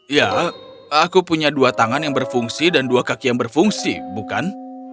ya aku punya dua tangan yang berfungsi dan dua kaki yang berfungsi bukan